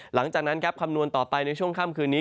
หลังจากนั้นครับคำนวณต่อไปในช่วงค่ำคืนนี้